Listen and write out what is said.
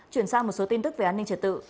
chuyển sang một số tin tức về an ninh trật tự